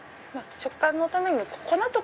食感のために粉も。